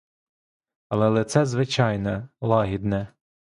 Але лице звичайне, лагідне.